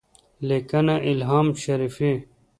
لیکنه: الهام شریفی